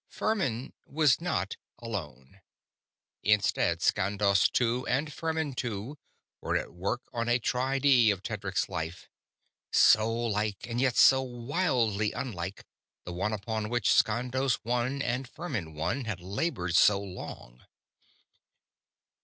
_ _Furmin was not alone. Instead, Skandos Two and Furmin Two were at work on a tri di of Tedric's life: so like, and yet so wildly unlike, the one upon which Skandos One and Furmin One had labored so long!